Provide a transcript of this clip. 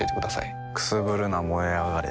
くすぶるな燃え上がれ